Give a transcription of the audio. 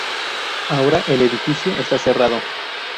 Ahora el edificio está cerrado.